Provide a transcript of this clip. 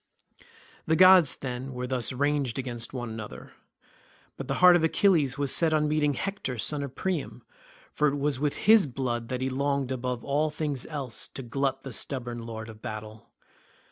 The gods, then, were thus ranged against one another. But the heart of Achilles was set on meeting Hector son of Priam, for it was with his blood that he longed above all things else to glut the stubborn lord of battle.